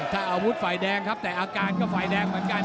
ถ้าอาวุธฝ่ายแดงครับแต่อาการก็ฝ่ายแดงเหมือนกัน